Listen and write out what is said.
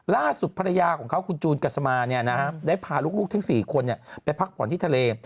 ล่าสุดภรรยาของเขาคุณจูนกัสมาได้พาลูกทั้ง๔คนไปพักผ่อนที่ทะเล